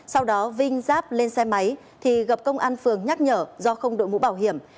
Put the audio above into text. sau đó vinh giáp lên xe máy thì gặp công an phường nhắc nhở do không đội mũ bảo hiểm